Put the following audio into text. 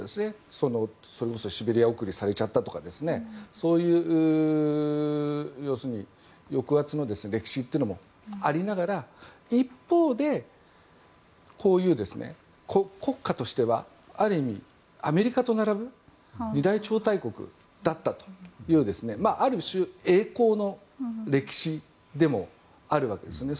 それこそシベリア送りされちゃったとかそういう抑圧の歴史というのもありながら一方で、こういう国家としてはある意味アメリカと並ぶ二大超大国だったというある種、栄光の歴史でもあるわけですよね。